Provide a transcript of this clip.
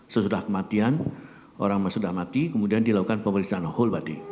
sesudah kematian orang sudah mati kemudian dilakukan pemeriksaan whole body